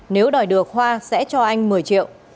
nếu đòi được hoa sẽ cho anh một mươi triệu